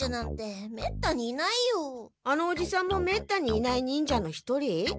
あのおじさんもめったにいない忍者の一人？